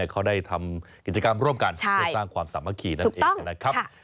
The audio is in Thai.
เขาได้ทำกิจกรรมร่วมกันเพื่อสร้างความสามัคคีนั่นเองนะครับ